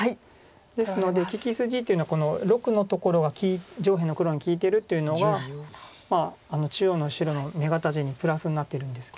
ですので利き筋というのはこの⑥のところが上辺の黒に利いてるというのが中央の白の眼形にプラスになってるんですけど。